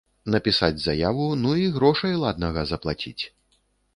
Напісаць заяву, ну й грошай ладнага заплаціць.